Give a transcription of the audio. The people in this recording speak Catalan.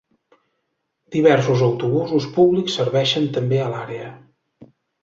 Diversos autobusos públics serveixen també l'àrea.